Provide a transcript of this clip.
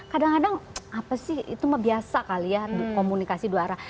kadang kadang apa sih itu mah biasa kali ya komunikasi dua arah